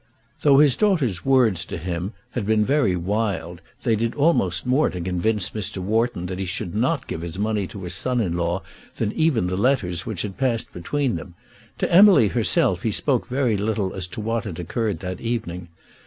Though his daughter's words to him had been very wild they did almost more to convince Mr. Wharton that he should not give his money to his son in law than even the letters which had passed between them. To Emily herself he spoke very little as to what had occurred that evening.